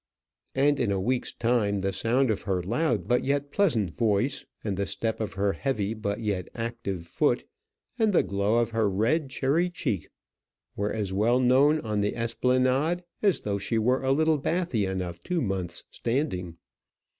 And in a week's time the sound of her loud but yet pleasant voice, and the step of her heavy but yet active foot, and the glow of her red cherry cheek were as well known on the esplanade as though she were a Littlebathian of two months' standing.